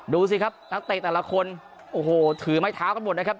ดูสิครับนักเตะแต่ละคนโอ้โหถือไม้เท้ากันหมดนะครับ